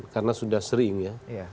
karena sudah sering ya ya